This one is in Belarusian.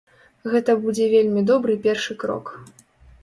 Гэта будзе вельмі добры першы крок.